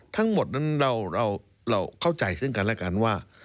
ทั้งหมดนั้นเราเข้าใจซึ่งกันและกันว่า